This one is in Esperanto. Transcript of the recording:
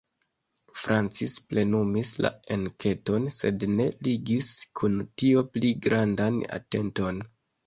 Francis plenumis la enketon, sed ne ligis kun tio pli grandan atenton.